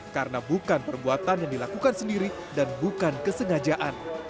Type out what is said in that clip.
karena bukan perbuatan yang dilakukan sendiri dan bukan kesengajaan